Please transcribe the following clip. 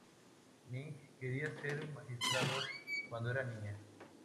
Mink quería ser magistrado cuando era niña.